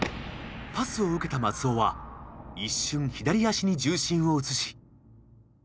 パスを受けた松尾は一瞬左足に重心を移し。